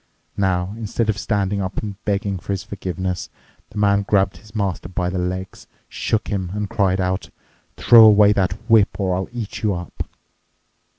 Now, instead of standing up and begging for forgiveness, the man grabbed his master by the legs, shook him, and cried out, 'Throw away that whip or I'll eat you up.